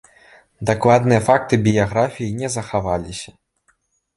Дакладныя факты біяграфіі не захаваліся.